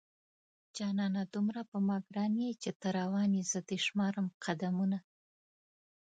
جانانه دومره په ما گران يې چې ته روان يې زه دې شمارم قدمونه